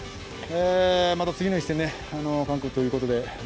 また次の一戦、韓国ということで。